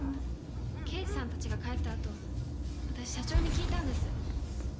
刑事さんたちが帰ったあと私社長に訊いたんです。